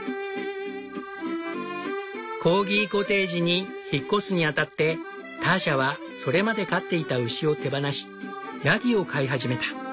コーギコテージに引っ越すに当たってターシャはそれまで飼っていた牛を手放しヤギを飼い始めた。